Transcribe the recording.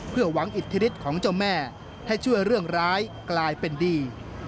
เพื่อหวังอิทธิฤทธิ์ของเจ้าแม่ให้ช่วยเรื่องร้ายกลายเป็นดี